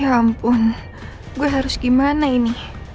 ampun gue harus gimana ini